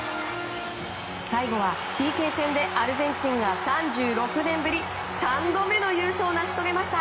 最後はＰＫ戦で、アルゼンチンが３６年ぶり３度目の優勝を成し遂げました。